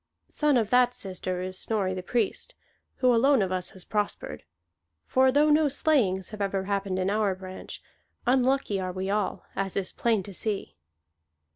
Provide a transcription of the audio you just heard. Son of that sister is Snorri the Priest, who alone of us has prospered; for though no slayings have ever happened in our branch, unlucky are we all, as is plain to see."